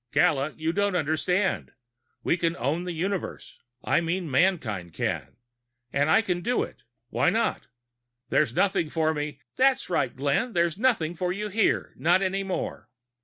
"Gala, you don't understand. We can own the Universe. I mean mankind can. And I can do it. Why not? There's nothing for me " "That's right, Glenn. There's nothing for you here. Not any more."